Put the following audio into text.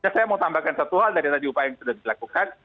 saya mau tambahkan satu hal dari tadi upaya yang sudah dilakukan